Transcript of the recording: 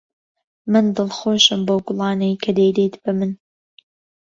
من دڵخۆشم بەو گوڵانەی کە دەیدەیت بە من.